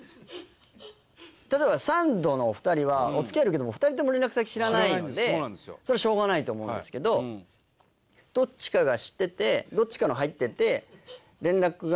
お付き合いあるけども２人とも連絡先知らないのでそれはしょうがないと思うんですけどどっちかが知っててどっちかの入ってて。